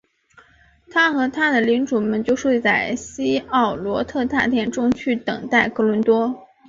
他和他的领主们就睡在希奥罗特大殿中去等待哥伦多。